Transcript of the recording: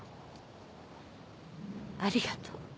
ありがとう。